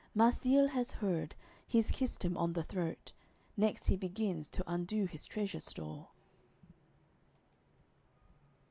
Marsile has heard, he's kissed him on the throat; Next he begins to undo his treasure store.